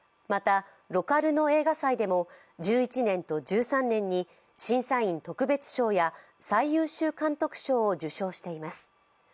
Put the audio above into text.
またロカルノ映画祭でも１１年と１３年に審査員特別賞や最優秀監督賞を受賞しています。